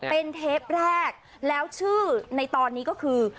เป็นเทปแรกแล้วชื่อในตอนนี้ก็คือ